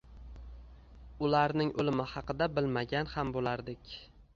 ularning o‘limi haqida bilmagan ham bo‘lardik.